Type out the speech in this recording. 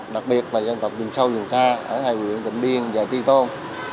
đặc biệt là dân tộc dùm sâu dùm xa ở hải viện tỉnh biên dạy tri tôn